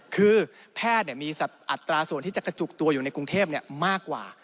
คือแพทย์มีอัตราส่วนที่จะกระจุกตัวอยู่ในกรุงเทพมากกว่า